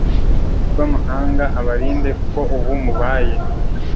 rw'amahanga, abarinde, kuko ubu mubaye